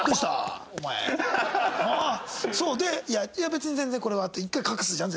「いや別に全然これは」って１回隠すじゃん？